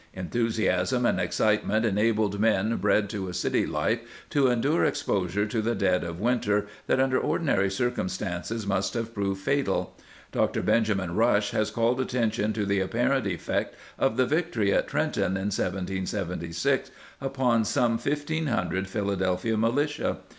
Enthusiasm and excitement enabled men, bred to a city life, to endure exposure in the dead of winter that under ordinary circumstances must have proved fatal. Dr. Benjamin Rush has called attention to the apparent effect of the victory at Trenton in 1776 upon some 1,500 Philadelphia militia.